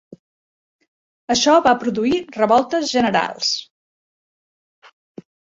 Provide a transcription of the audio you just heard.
Això va produir revoltes generals.